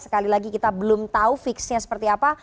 sekali lagi kita belum tahu fixnya seperti apa